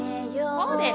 そうです。